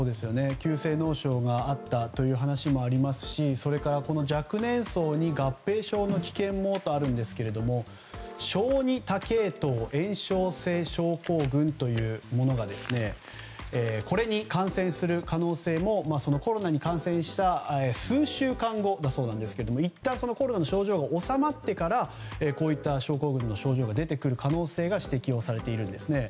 急性脳症があったという話もありますしそれから若年層に合併症の危険もとありますが小児多系統炎症性症候群というものがこれに感染する可能性もコロナに感染した数週間後だそうですがいったん、コロナの症状が収まってからこういった症候群の症状が出てくる可能性が指摘されているんです。